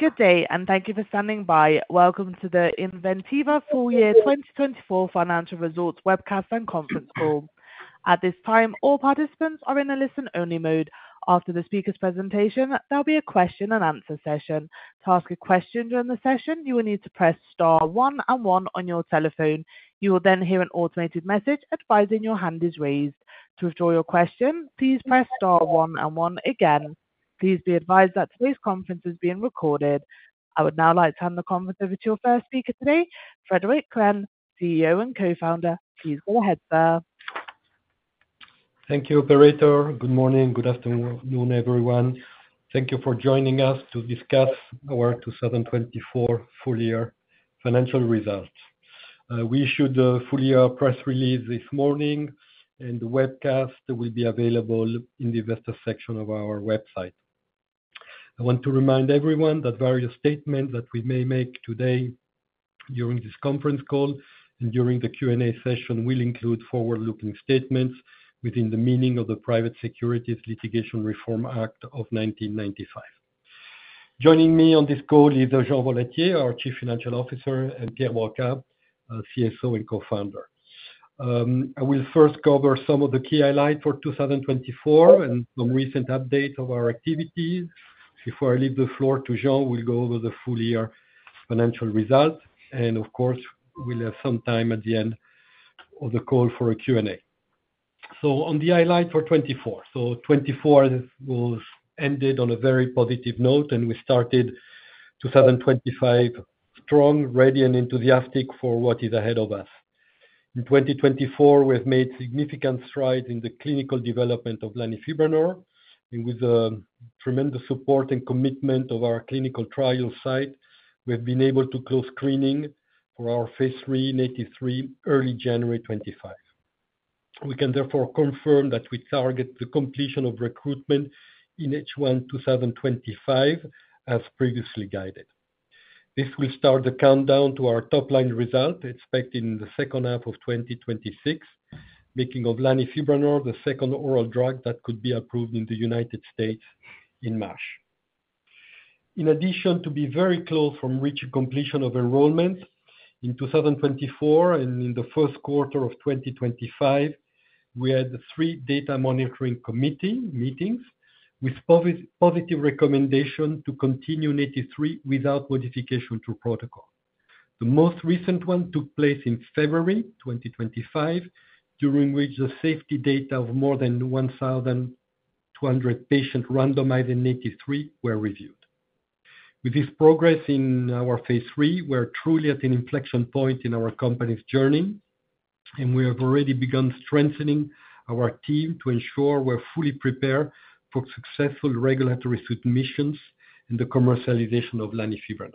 Good day, and thank you for standing by. Welcome to the Inventiva full year 2024 financial results webcast and conference call. At this time, all participants are in a listen-only mode. After the speaker's presentation, there'll be a question-and-answer session. To ask a question during the session, you will need to press star one and one on your telephone. You will then hear an automated message advising your hand is raised. To withdraw your question, please press star one and one again. Please be advised that today's conference is being recorded. I would now like to hand the conference over to your first speaker today, Frédéric Cren, CEO and Co-founder. Please go ahead, sir. Thank you, operator. Good morning. Good afternoon, everyone. Thank you for joining us to discuss our 2024 full year financial results. We issued a full year press release this morning, and the webcast will be available in the investor section of our website. I want to remind everyone that various statements that we may make today during this conference call and during the Q&A session will include forward-looking statements within the meaning of the Private Securities Litigation Reform Act of 1995. Joining me on this call is Jean Volatier, our Chief Financial Officer, and Pierre Broqua, CSO and co-founder. I will first cover some of the key highlights for 2024 and some recent updates of our activities. Before I leave the floor to Jean, we'll go over the full year financial results. Of course, we'll have some time at the end of the call for a Q&A. On the highlights for 2024, 2024 ended on a very positive note, and we started 2025 strong, ready, and enthusiastic for what is ahead of us. In 2024, we have made significant strides in the clinical development of Lanifibranor. With the tremendous support and commitment of our clinical trial site, we've been able to close screening for our phase III, NATiV3, early January 2025. We can therefore confirm that we target the completion of recruitment in H1 2025 as previously guided. This will start the countdown to our top line result expected in the second half of 2026, making Lanifibranor the second oral drug that could be approved in the United States in MASH. In addition, to be very close from reaching completion of enrollment in 2024 and in the first quarter of 2025, we had three Data Monitoring Committee meetings with positive recommendations to continue NATiV3 without modification to protocol. The most recent one took place in February 2025, during which the safety data of more than 1,200 patients randomized in NATiV3 were reviewed. With this progress in our phase III, we're truly at an inflection point in our company's journey, and we have already begun strengthening our team to ensure we're fully prepared for successful regulatory submissions and the commercialization of Lanifibranor.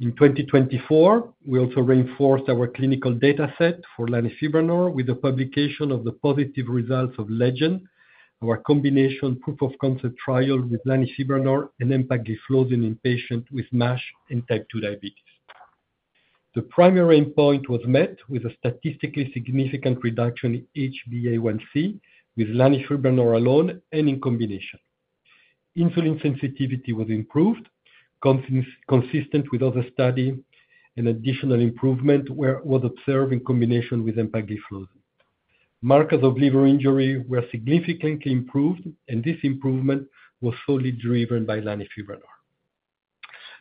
In 2024, we also reinforced our clinical data set for Lanifibranor with the publication of the positive results of LEGEND, our combination proof of concept trial with Lanifibranor and empagliflozin in patients with MASH and type 2 diabetes. The primary endpoint was met with a statistically significant reduction in HbA1c with Lanifibranor alone and in combination. Insulin sensitivity was improved, consistent with other studies, and additional improvement was observed in combination with empagliflozin. Markers of liver injury were significantly improved, and this improvement was solely driven by Lanifibranor.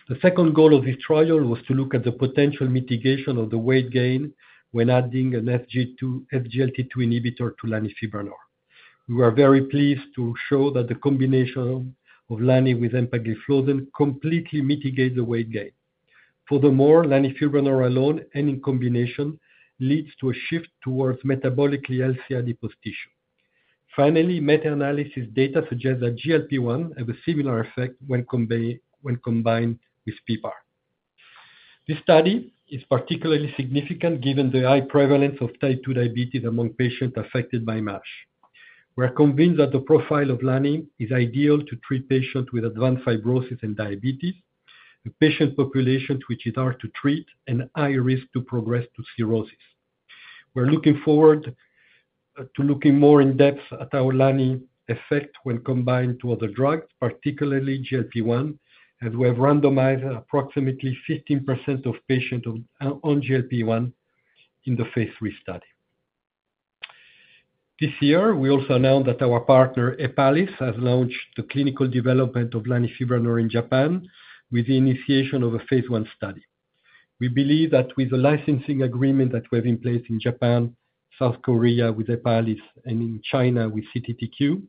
The second goal of this trial was to look at the potential mitigation of the weight gain when adding an SGLT2 inhibitor to Lanifibranor. We were very pleased to show that the combination of Lanifibranor with empagliflozin completely mitigates the weight gain. Furthermore, Lanifibranor alone and in combination leads to a shift towards metabolically healthy adipose tissue. Finally, meta-analysis data suggests that GLP-1 has a similar effect when combined with PPAR. This study is particularly significant given the high prevalence of type 2 diabetes among patients affected by MASH. We're convinced that the profile of Lani is ideal to treat patients with advanced fibrosis and diabetes, patient populations which are hard to treat, and high risk to progress to cirrhosis. We're looking forward to looking more in depth at our Lani effect when combined with other drugs, particularly GLP-1, as we have randomized approximately 15% of patients on GLP-1 in the phase III study. This year, we also announced that our partner Hepalys has launched the clinical development of Lanifibranor in Japan with the initiation of a phase I study. We believe that with the licensing agreement that we have in place in Japan, South Korea with Hepalys, and in China with CTTQ,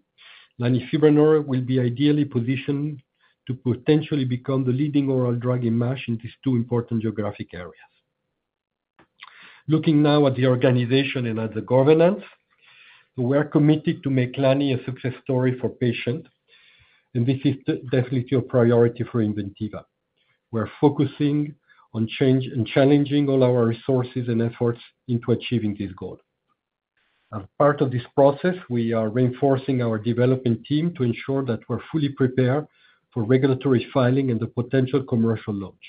Lanifibranor will be ideally positioned to potentially become the leading oral drug in MASH in these two important geographic areas. Looking now at the organization and at the governance, we're committed to make Lani a success story for patients, and this is definitely a priority for Inventiva. We're focusing on change and challenging all our resources and efforts into achieving this goal. As part of this process, we are reinforcing our development team to ensure that we're fully prepared for regulatory filing and the potential commercial launch.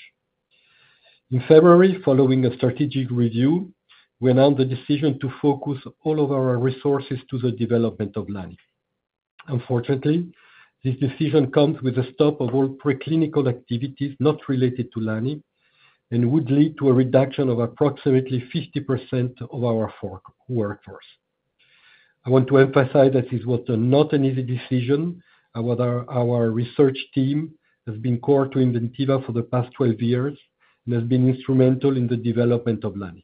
In February, following a strategic review, we announced the decision to focus all of our resources to the development of Lani. Unfortunately, this decision comes with a stop of all preclinical activities not related to Lani and would lead to a reduction of approximately 50% of our workforce. I want to emphasize that this was not an easy decision. Our research team has been core to Inventiva for the past 12 years and has been instrumental in the development of Lani.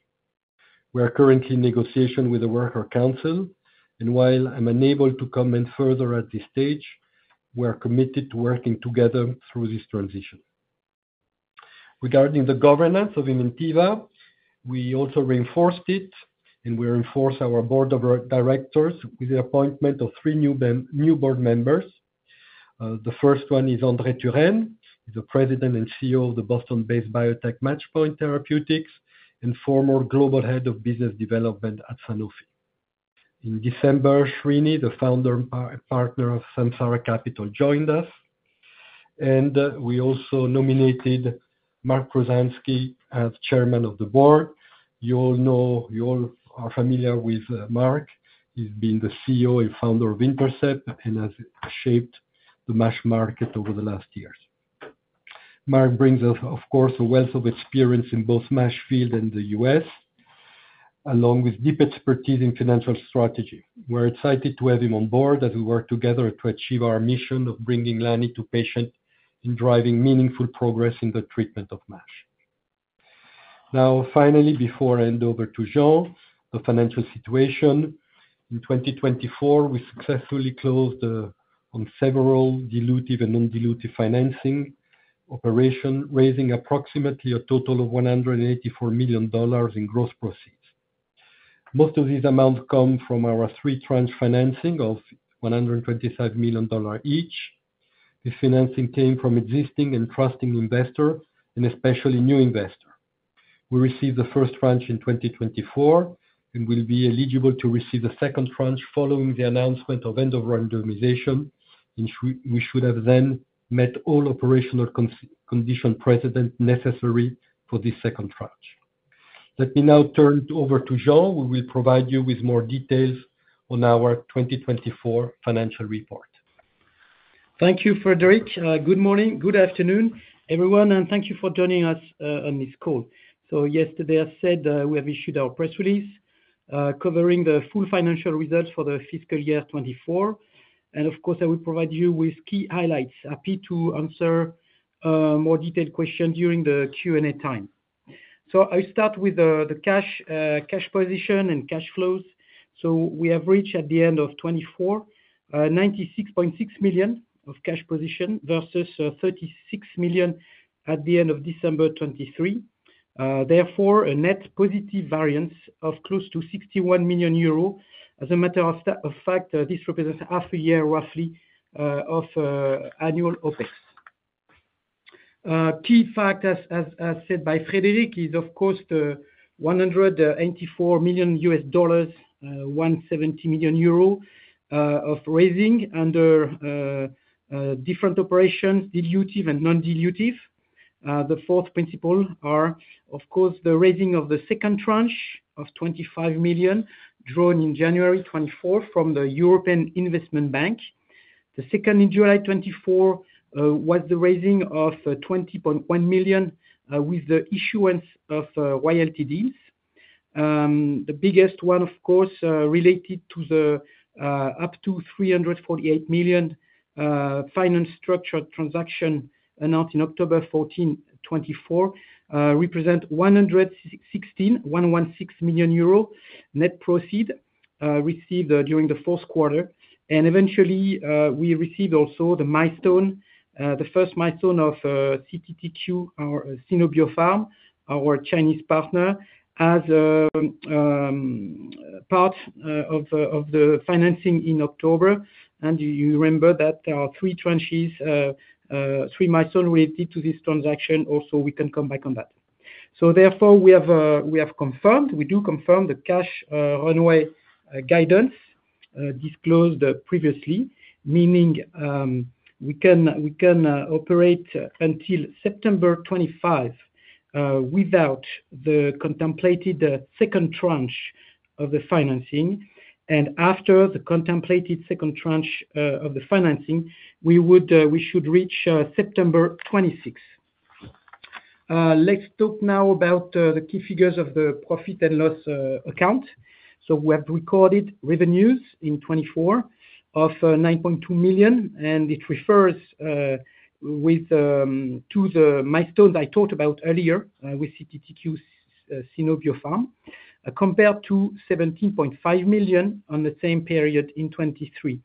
We are currently in negotiation with the Worker Council, and while I'm unable to comment further at this stage, we're committed to working together through this transition. Regarding the governance of Inventiva, we also reinforced it, and we reinforced our board of directors with the appointment of three new board members. The first one is Andre Turenne, the President and CEO of the Boston-based Biotech Matchpoint Therapeutics and former global head of business development at Sanofi. In December, Srini, the founder and partner of Samsara Capital, joined us, and we also nominated Mark Pruzanski as Chairman of the Board. You all know, you all are familiar with Mark. He's been the CEO and founder of Intercept and has shaped the MASH market over the last years. Mark brings us, of course, a wealth of experience in both the MASH field and the U.S., along with deep expertise in financial strategy. We're excited to have him on board as we work together to achieve our mission of bringing Lanifibranor to patients and driving meaningful progress in the treatment of MASH. Now, finally, before I hand over to Jean, the financial situation, in 2024, we successfully closed on several dilutive and non-dilutive financing operations, raising approximately a total of $184 million in gross proceeds. Most of these amounts come from our three tranches of financing of $125 million each. This financing came from existing and trusting investors, and especially new investors. We received the first tranche in 2024 and will be eligible to receive the second tranche following the announcement of end of randomization, and we should have then met all operational conditions necessary for this second tranche. Let me now turn over to Jean, who will provide you with more details on our 2024 financial report. Thank you, Frédéric. Good morning. Good afternoon, everyone, and thank you for joining us on this call. Yesterday, as said, we have issued our press release covering the full financial results for the fiscal year 2024. Of course, I will provide you with key highlights. Happy to answer more detailed questions during the Q&A time. I'll start with the cash position and cash flows. We have reached at the end of 2024, 96.6 million of cash position versus 36 million at the end of December 2023. Therefore, a net positive variance of close to 61 million euros. As a matter of fact, this represents half a year roughly of annual OpEx. Key fact, as said by Frédéric, is of course the $184 million, 170 million euro of raising under different operations, dilutive and non-dilutive. The fourth principle are, of course, the raising of the second tranche of 25 million drawn in January 2024 from the European Investment Bank. The second in July 2024 was the raising of 20.1 million with the issuance of royalty deals. The biggest one, of course, related to the up to 348 million finance structure transaction announced in October 14, 2024, represents EUR 116 million net proceeds received during the fourth quarter. Eventually, we received also the milestone, the first milestone of CTTQ, our Sino Biopharm, our Chinese partner, as part of the financing in October. You remember that there are three tranches, three milestones related to this transaction. Also, we can come back on that. Therefore, we have confirmed, we do confirm the cash runway guidance disclosed previously, meaning we can operate until September 2025 without the contemplated second tranche of the financing. After the contemplated second tranche of the financing, we should reach September 2026. Let's talk now about the key figures of the profit and loss account. We have recorded revenues in 2024 of 9.2 million, and it refers to the milestones I talked about earlier with CTTQ, compared to 17.5 million in the same period in 2023.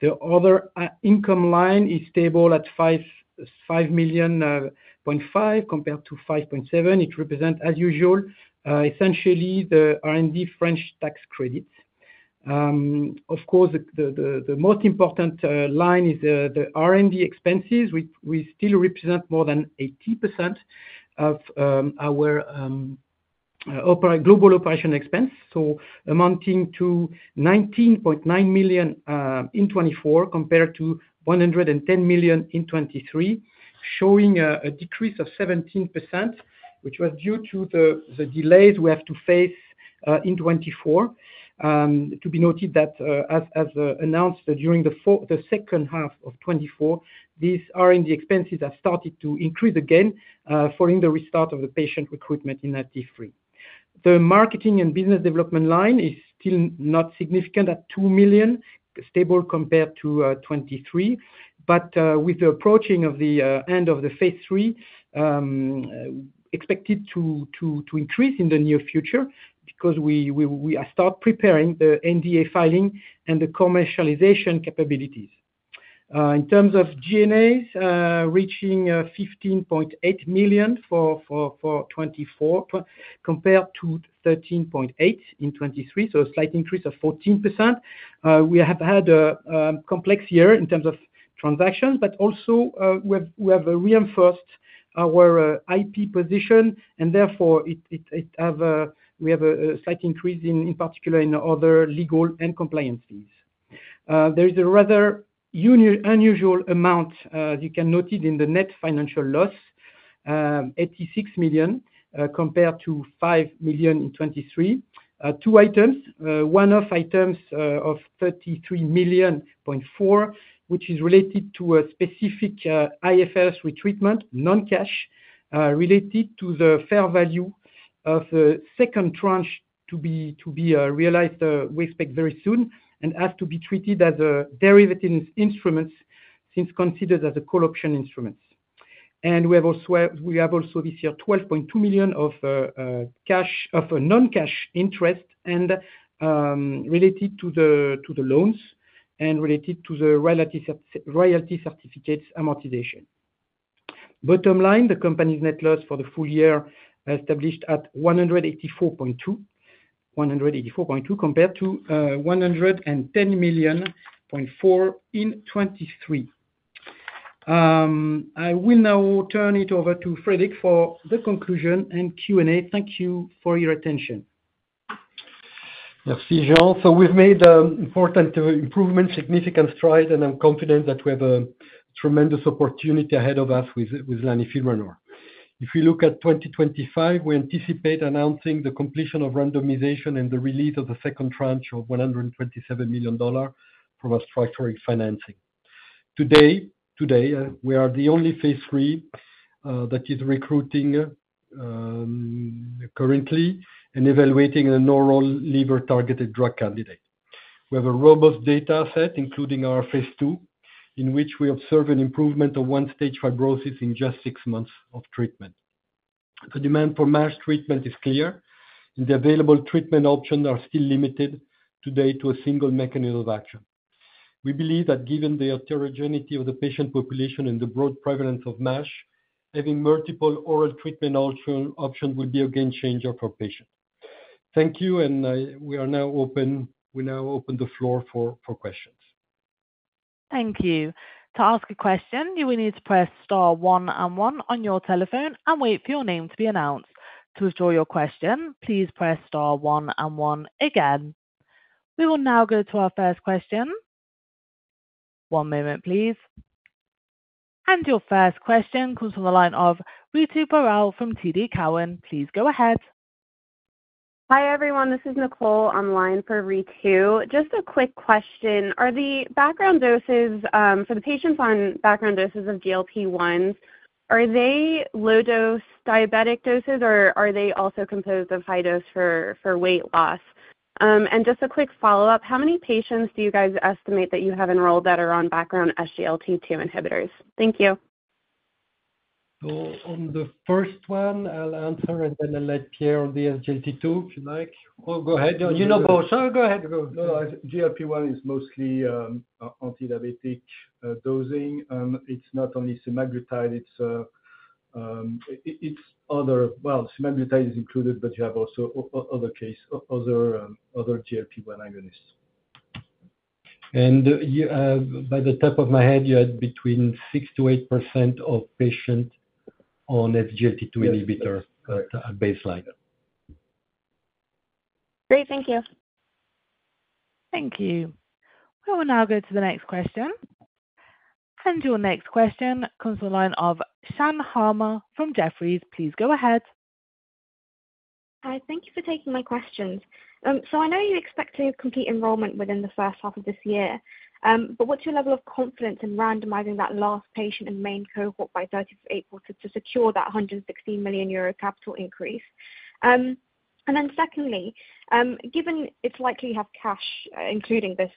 The other income line is stable at 5.5 million compared to 5.7 million. It represents, as usual, essentially the R&D French tax credits. Of course, the most important line is the R&D expenses, which still represent more than 80% of our global operation expense, amounting to 19.9 million in 2024 compared to 110 million in 2023, showing a decrease of 17%, which was due to the delays we have to face in 2024. To be noted that, as announced during the second half of 2024, these R&D expenses have started to increase again following the restart of the patient recruitment in 2023. The marketing and business development line is still not significant at 2 million, stable compared to 2023, but with the approaching of the end of the phase III, expected to increase in the near future because we start preparing the NDA filing and the commercialization capabilities. In terms of G&As, reaching 15.8 million for 2024 compared to 13.8 million in 2023, so a slight increase of 14%. We have had a complex year in terms of transactions, but also we have reinforced our IP position, and therefore we have a slight increase, in particular in other legal and compliance fees. There is a rather unusual amount, as you can notice in the net financial loss, 86 million compared to 5 million in 2023. Two items, one-off items of 33.4 million, which is related to a specific IFRS retreatment, non-cash, related to the fair value of the second tranche to be realized with respect very soon and has to be treated as derivative instruments since considered as a call option instruments. We have also this year 12.2 million of non-cash interest related to the loans and related to the royalty certificates amortization. Bottom line, the company's net loss for the full year established at 184.2 million compared to 110.4 million in 2023. I will now turn it over to Frédéric for the conclusion and Q&A. Thank you for your attention. Merci, Jean. We have made important improvements, significant strides, and I'm confident that we have a tremendous opportunity ahead of us with Lanifibranor. If we look at 2025, we anticipate announcing the completion of randomization and the release of the second tranche of $127 million from our structural financing. Today, we are the only phase III that is recruiting currently and evaluating a novel liver-targeted drug candidate. We have a robust data set, including our phase II, in which we observe an improvement of one-stage fibrosis in just six months of treatment. The demand for MASH treatment is clear, and the available treatment options are still limited today to a single mechanism of action. We believe that given the heterogeneity of the patient population and the broad prevalence of MASH, having multiple oral treatment options will be a game changer for patients. Thank you, and we are now open. We now open the floor for questions. Thank you. To ask a question, you will need to press star one and one on your telephone and wait for your name to be announced. To withdraw your question, please press star one and one again. We will now go to our first question. One moment, please. Your first question comes from the line of Ritu Baral from TD Cowen. Please go ahead. Hi, everyone. This is Nicole online for Ritu. Just a quick question. Are the background doses for the patients on background doses of GLP-1s, are they low-dose diabetic doses, or are they also composed of high-dose for weight loss? Just a quick follow-up, how many patients do you guys estimate that you have enrolled that are on background SGLT2 inhibitors? Thank you. On the first one, I'll answer, and then I'll let Pierre on the SGLT2 if you like. Oh, go ahead. You know both. Go ahead. No, GLP-1 is mostly antidiabetic dosing. It's not only Semaglutide. It's other, well, Semaglutide is included, but you have also other GLP-1 agonists. By the top of my head, you had between 6%-8% of patients on SGLT2 inhibitor at baseline. Great. Thank you. Thank you. We will now go to the next question. Your next question comes from the line of Shan Hama from Jefferies. Please go ahead. Hi. Thank you for taking my questions. I know you expect to complete enrollment within the first half of this year, but what's your level of confidence in randomizing that last patient in the main cohort by April 30 to secure that 116 million euro capital increase? Secondly, given it's likely you have cash, including this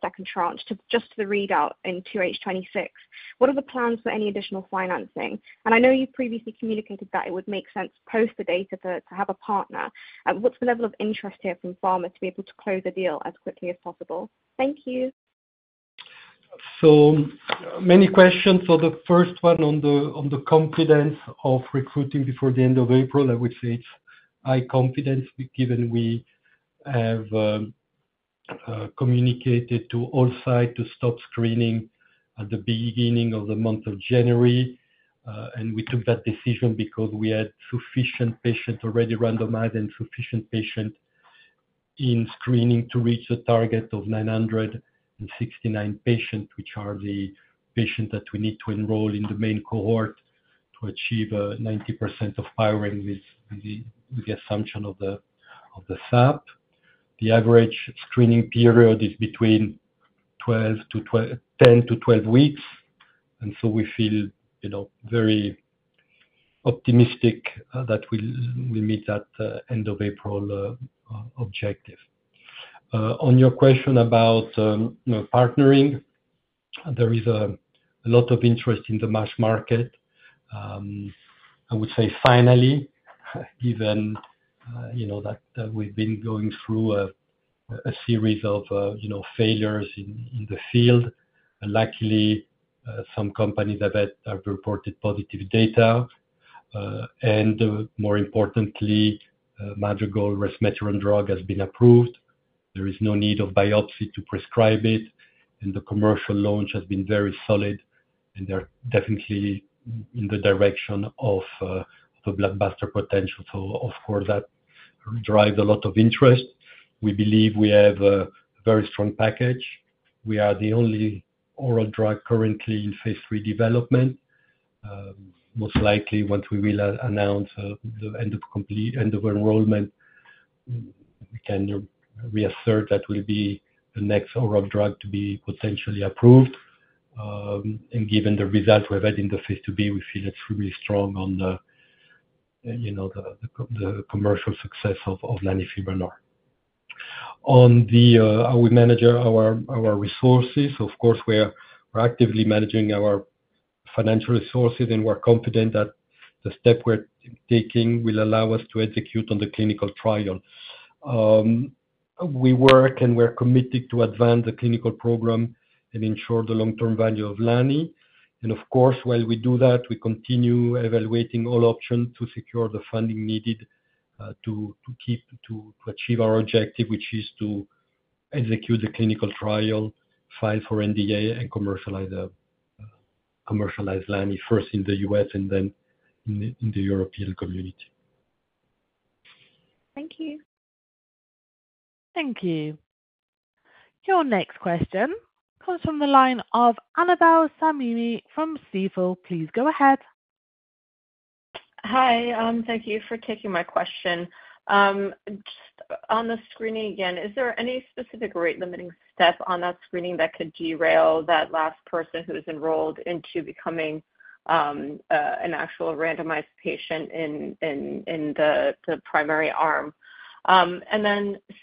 second tranche, just to the readout in Q2 2026, what are the plans for any additional financing? I know you previously communicated that it would make sense post the data to have a partner. What's the level of interest here from pharma to be able to close the deal as quickly as possible? Thank you. There are many questions. The first one on the confidence of recruiting before the end of April, I would say it's high confidence given we have communicated to all sites to stop screening at the beginning of the month of January. We took that decision because we had sufficient patients already randomized and sufficient patients in screening to reach the target of 969 patients, which are the patients that we need to enroll in the main cohort to achieve 90% of powering with the assumption of the SAP. The average screening period is between 10-12 weeks. We feel very optimistic that we meet that end of April objective. On your question about partnering, there is a lot of interest in the MASH market. I would say finally, given that we've been going through a series of failures in the field, luckily some companies have reported positive data. More importantly, Madrigal's Resmetirom drug has been approved. There is no need of biopsy to prescribe it. The commercial launch has been very solid, and they're definitely in the direction of a blockbuster potential. That drives a lot of interest. We believe we have a very strong package. We are the only oral drug currently in phase III development. Most likely, once we will announce the end of enrollment, we can reassert that will be the next oral drug to be potentially approved. Given the result we have had in the phase IIb, we feel extremely strong on the commercial success of Lanifibranor. On how we manage our resources, of course, we're actively managing our financial resources, and we're confident that the step we're taking will allow us to execute on the clinical trial. We work and we're committed to advance the clinical program and ensure the long-term value of Lani. Of course, while we do that, we continue evaluating all options to secure the funding needed to achieve our objective, which is to execute the clinical trial, file for NDA, and commercialize Lani first in the U.S. and then in the European Community. Thank you. Thank you. Your next question comes from the line of Annabel Samimy from Stifel. Please go ahead. Hi. Thank you for taking my question. Just on the screening again, is there any specific rate-limiting step on that screening that could derail that last person who is enrolled into becoming an actual randomized patient in the primary arm?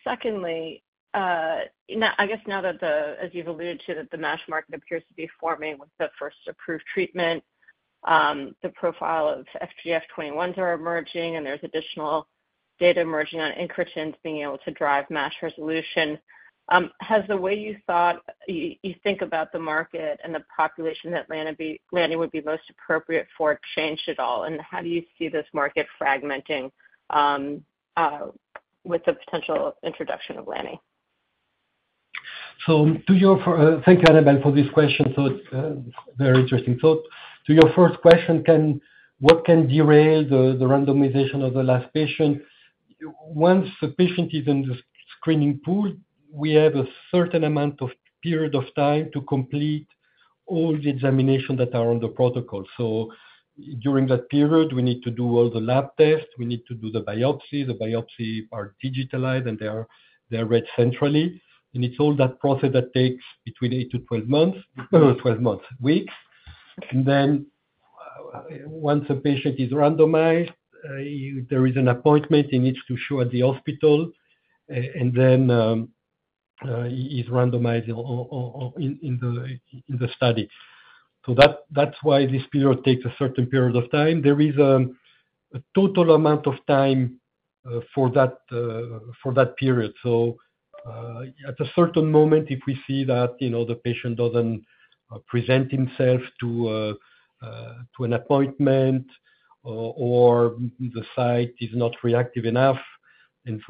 Secondly, I guess now that, as you've alluded to, the MASH market appears to be forming with the first approved treatment, the profile of FGF21s are emerging, and there is additional data emerging on incretins being able to drive MASH resolution. Has the way you think about the market and the population that Lani would be most appropriate for changed at all? How do you see this market fragmenting with the potential introduction of Lani? Thank you, Annabel, for this question. It is very interesting. To your first question, what can derail the randomization of the last patient? Once the patient is in the screening pool, we have a certain amount of period of time to complete all the examinations that are on the protocol. During that period, we need to do all the lab tests. We need to do the biopsy. The biopsies are digitalized, and they are read centrally. It is all that process that takes between 8-12 weeks. Once the patient is randomized, there is an appointment. He needs to show at the hospital, and then he is randomized in the study. That is why this period takes a certain period of time. There is a total amount of time for that period. At a certain moment, if we see that the patient does not present himself to an appointment or the site is not reactive enough, and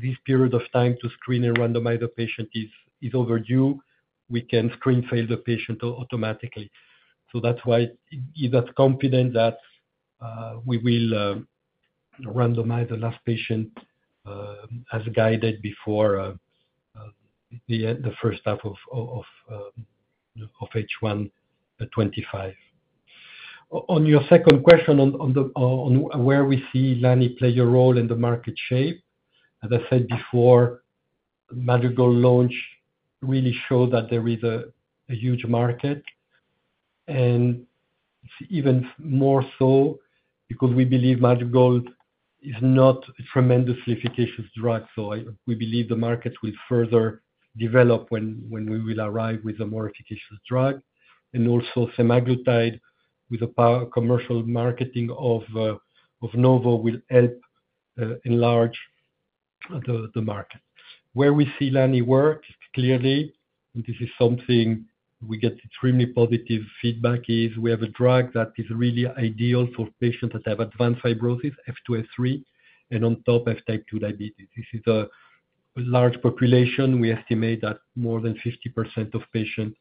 this period of time to screen and randomize the patient is overdue, we can screen fail the patient automatically. That is why that confidence that we will randomize the last patient as guided before the first half of H1 2025. On your second question on where we see Lani play a role in the market shape, as I said before, Madrigal launch really showed that there is a huge market. It is even more so because we believe Madrigal is not a tremendously efficacious drug. We believe the market will further develop when we arrive with a more efficacious drug. Also, Semaglutide with the commercial marketing of Novo will help enlarge the market. Where we see Lani work clearly, and this is something we get extremely positive feedback, is we have a drug that is really ideal for patients that have advanced fibrosis, F2, F3, and on top, F type 2 diabetes. This is a large population. We estimate that more than 50% of patients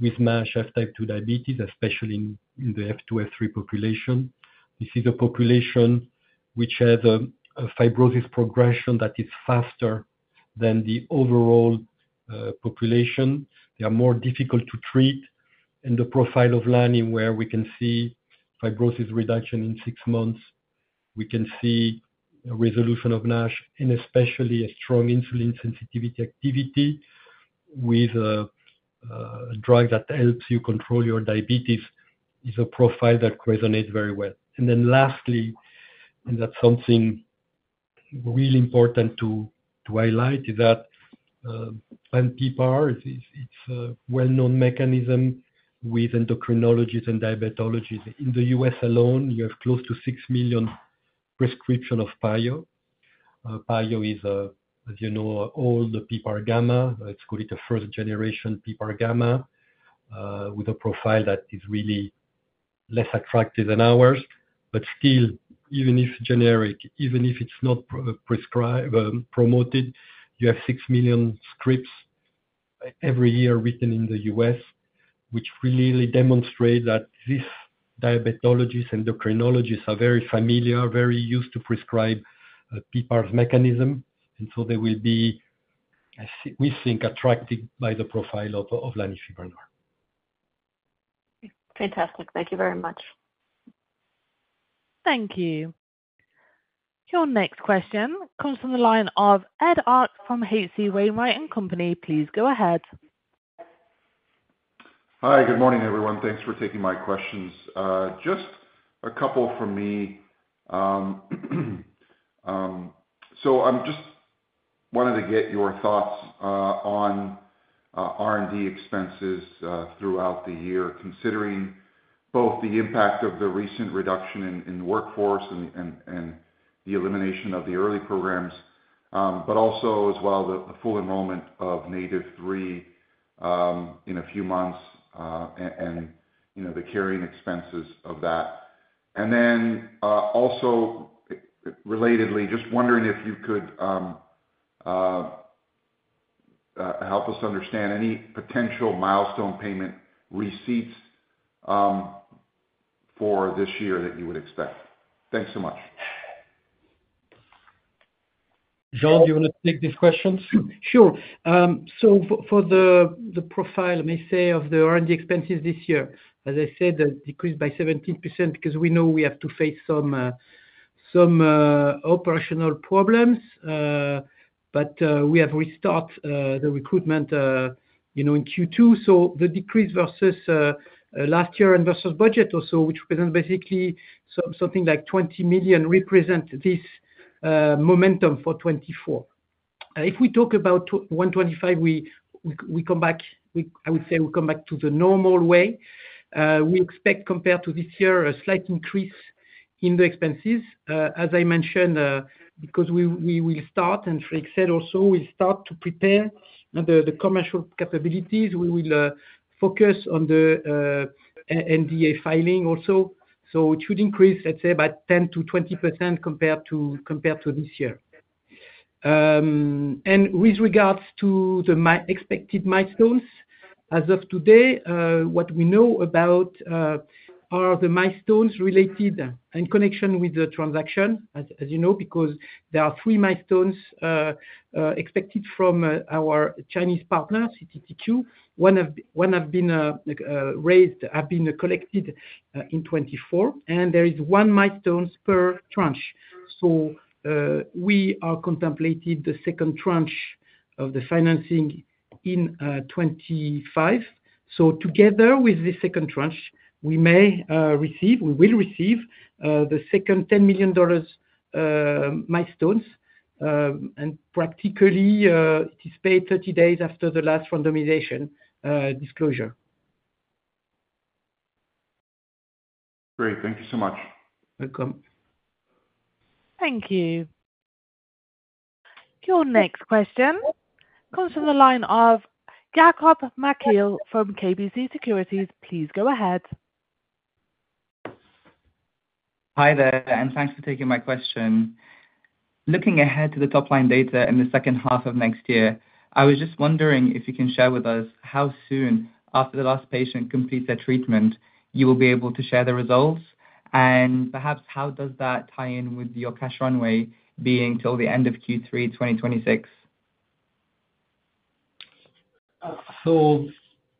with MASH have type 2 diabetes, especially in the F2, F3 population. This is a population which has a fibrosis progression that is faster than the overall population. They are more difficult to treat. The profile of Lani, where we can see fibrosis reduction in six months, we can see resolution of NASH, and especially a strong insulin sensitivity activity with a drug that helps you control your diabetes, is a profile that resonates very well. Lastly, and that's something really important to highlight, is that pan-PPAR, it's a well-known mechanism with endocrinologists and diabetologists. In the U.S. alone, you have close to 6 million prescriptions of Pio. Pio is, as you know, old PPAR gamma. Let's call it a first-generation PPAR gamma with a profile that is really less attractive than ours. Still, even if generic, even if it's not promoted, you have 6 million scripts every year written in the U.S., which really demonstrates that these diabetologists, endocrinologists are very familiar, very used to prescribe PPAR's mechanism. They will be, we think, attracted by the profile of Lanifibranor. Fantastic. Thank you very much. Thank you. Your next question comes from the line of Ed Arce from H.C. Wainwright & Company. Please go ahead. Hi. Good morning, everyone. Thanks for taking my questions. Just a couple from me. I just wanted to get your thoughts on R&D expenses throughout the year, considering both the impact of the recent reduction in the workforce and the elimination of the early programs, but also as well the full enrollment of NATiV3 in a few months and the carrying expenses of that. Also relatedly, just wondering if you could help us understand any potential milestone payment receipts for this year that you would expect. Thanks so much. Joel, do you want to take these questions? Sure. For the profile, let me say, of the R&D expenses this year, as I said, decreased by 17% because we know we have to face some operational problems. We have restarted the recruitment in Q2. The decrease versus last year and versus budget also, which represents basically something like 20 million, represents this momentum for 2024. If we talk about 2025, we come back, I would say we come back to the normal way. We expect compared to this year a slight increase in the expenses, as I mentioned, because we will start, and Frédéric said also, we will start to prepare the commercial capabilities. We will focus on the NDA filing also. It should increase, let's say, by 10-20% compared to this year. With regards to the expected milestones, as of today, what we know about are the milestones related in connection with the transaction, as you know, because there are three milestones expected from our Chinese partner, CTTQ. One has been raised, have been collected in 2024, and there is one milestone per tranche. We are contemplating the second tranche of the financing in 2025. Together with the second tranche, we may receive, we will receive the second $10 million milestone. Practically, it is paid 30 days after the last randomization disclosure. Great. Thank you so much. Welcome. Thank you. Your next question comes from the line of Jacob Mekhael from KBC Securities. Please go ahead. Hi there, and thanks for taking my question. Looking ahead to the top-line data in the second half of next year, I was just wondering if you can share with us how soon after the last patient completes their treatment you will be able to share the results, and perhaps how does that tie in with your cash runway being till the end of Q3 2026?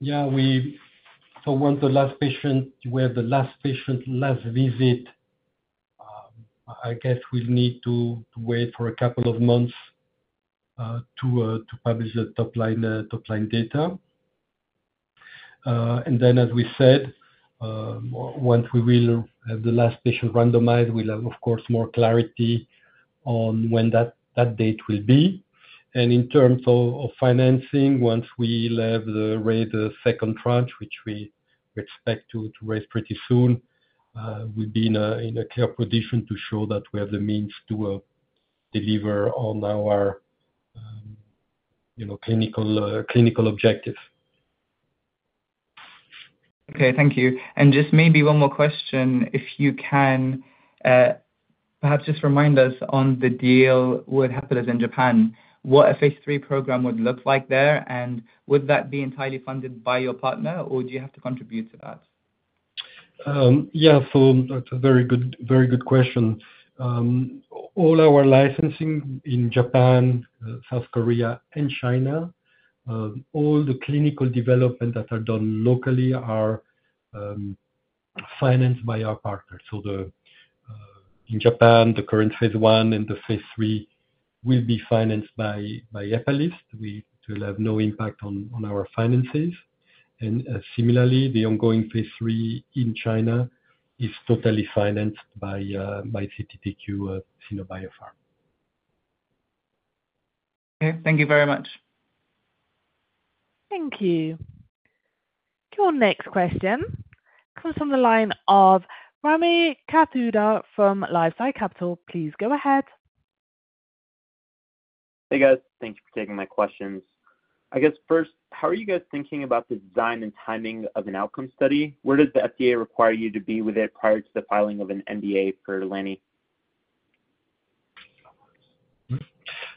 Yeah, towards the last patient, where the last patient, last visit, I guess we'll need to wait for a couple of months to publish the top-line data. Then, as we said, once we will have the last patient randomized, we'll have, of course, more clarity on when that date will be. In terms of financing, once we have raised the second tranche, which we expect to raise pretty soon, we'll be in a clear position to show that we have the means to deliver on our clinical objectives. Okay. Thank you. Maybe one more question. If you can, perhaps just remind us on the deal with Hepalys in Japan, what a phase III program would look like there, and would that be entirely funded by your partner, or do you have to contribute to that? Yeah. That's a very good question. All our licensing in Japan, South Korea, and China, all the clinical development that are done locally are financed by our partners. In Japan, the current phase I and the phase III will be financed by Hepalys. We will have no impact on our finances. Similarly, the ongoing phase III in China is totally financed by CTTQ, Sino Biopharm. Okay. Thank you very much. Thank you. Your next question comes from the line of Rami Katkhuda from LifeSci Capital. Please go ahead. Hey, guys. Thank you for taking my questions. I guess first, how are you guys thinking about the design and timing of an outcome study? Where does the FDA require you to be with it prior to the filing of an NDA for LANI?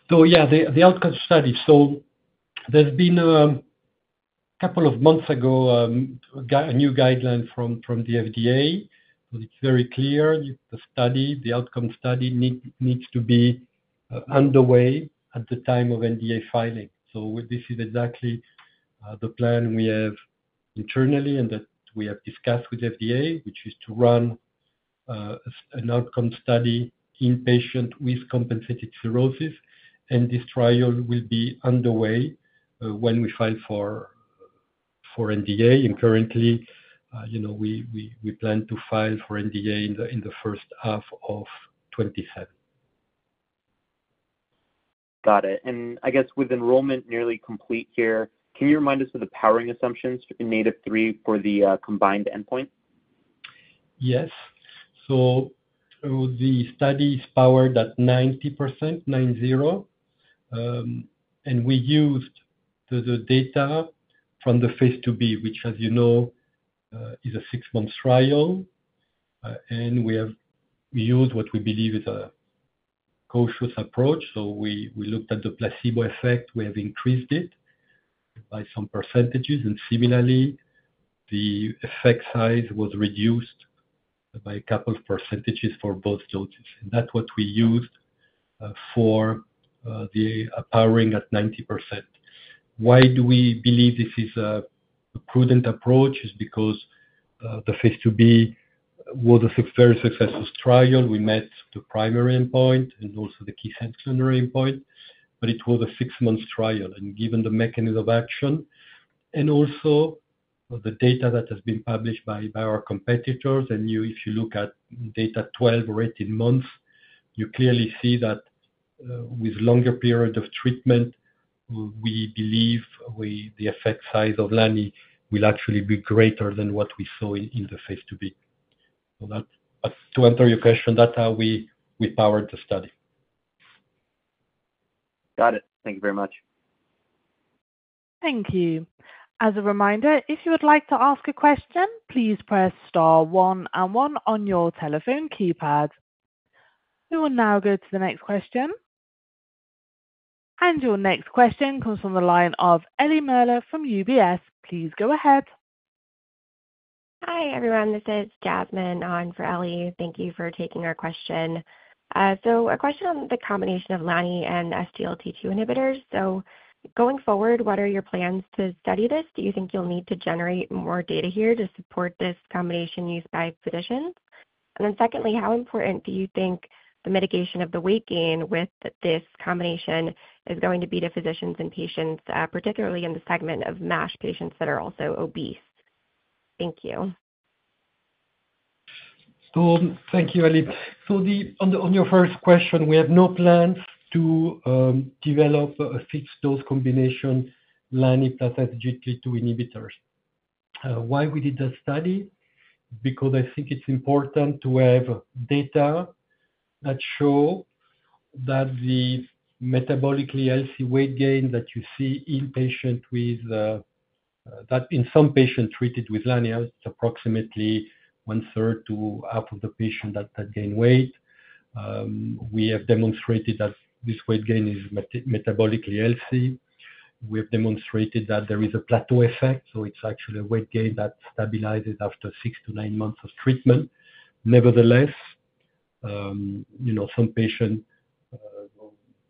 Yeah, the outcome study. There's been a couple of months ago, a new guideline from the FDA. It's very clear. The study, the outcome study, needs to be underway at the time of NDA filing. This is exactly the plan we have internally and that we have discussed with the FDA, which is to run an outcome study in patients with compensated cirrhosis. This trial will be underway when we file for NDA. Currently, we plan to file for NDA in the first half of 2027. Got it. I guess with enrollment nearly complete here, can you remind us of the powering assumptions in NATiV3 for the combined endpoint? Yes. The study is powered at 90%, nine-zero. We used the data from the phase IIb, which, as you know, is a six-month trial. We used what we believe is a cautious approach. We looked at the placebo effect. We have increased it by some percentages. Similarly, the effect size was reduced by a couple of percentages for both doses. That is what we used for the powering at 90%. Why do we believe this is a prudent approach? It is because the phase IIb was a very successful trial. We met the primary endpoint and also the key sensory endpoint. It was a six-month trial. Given the mechanism of action and also the data that has been published by our competitors, and if you look at data 12, 18 months, you clearly see that with longer periods of treatment, we believe the effect size of Lani will actually be greater than what we saw in the phase IIb. To answer your question, that's how we powered the study. Got it. Thank you very much. Thank you. As a reminder, if you would like to ask a question, please press star one and one on your telephone keypad. We will now go to the next question. Your next question comes from the line of Ellie Merle from UBS. Please go ahead. Hi, everyone. This is Jasmine, on for Ellie. Thank you for taking our question. A question on the combination of Lani and SGLT2 inhibitors. Going forward, what are your plans to study this? Do you think you'll need to generate more data here to support this combination used by physicians? Secondly, how important do you think the mitigation of the weight gain with this combination is going to be to physicians and patients, particularly in the segment of MASH patients that are also obese? Thank you. Thank you, Ellie. On your first question, we have no plans to develop a fixed-dose combination Lani plus SGLT2 inhibitors. Why we did the study? Because I think it's important to have data that show that the metabolically healthy weight gain that you see in patients with that, in some patients treated with LANI, it's approximately one-third to half of the patients that gain weight. We have demonstrated that this weight gain is metabolically healthy. We have demonstrated that there is a plateau effect. It's actually a weight gain that stabilizes after six to nine months of treatment. Nevertheless, some patients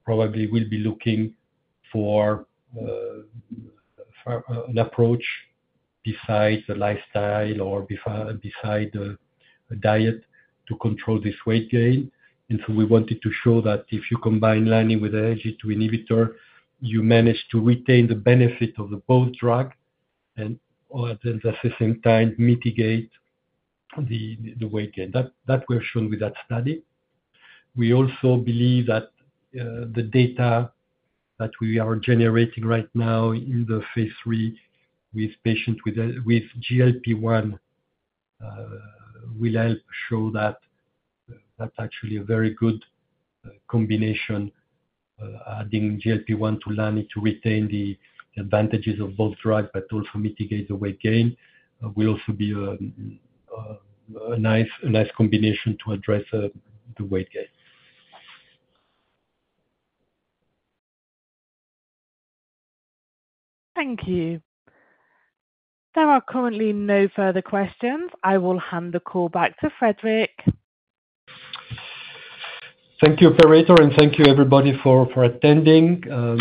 probably will be looking for an approach besides the lifestyle or beside the diet to control this weight gain. We wanted to show that if you combine Lani with an SGLT2 inhibitor, you manage to retain the benefit of both drugs and at the same time mitigate the weight gain. That was shown with that study. We also believe that the data that we are generating right now in the phase III with patients with GLP-1 will help show that that's actually a very good combination, adding GLP-1 to Lani to retain the advantages of both drugs, but also mitigate the weight gain. It will also be a nice combination to address the weight gain. Thank you. There are currently no further questions. I will hand the call back to Frédéric. Thank you, Frederic, and thank you, everybody, for attending.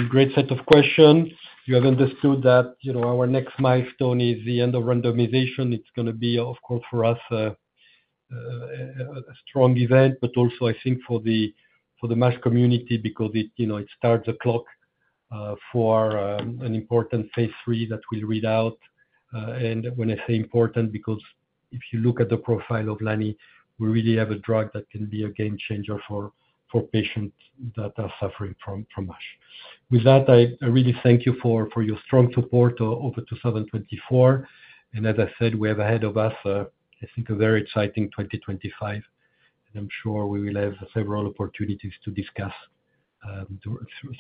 Great set of questions. You have understood that our next milestone is the end of randomization. It is going to be, of course, for us a strong event, but also, I think, for the MASH community because it starts the clock for an important phase III that we will read out. When I say important, because if you look at the profile of Lani, we really have a drug that can be a game changer for patients that are suffering from MASH. With that, I really thank you for your strong support over 2024. As I said, we have ahead of us, I think, a very exciting 2025. I am sure we will have several opportunities to discuss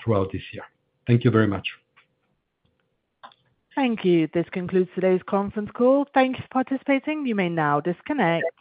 throughout this year. Thank you very much. Thank you. This concludes today's conference call. Thank you for participating. You may now disconnect.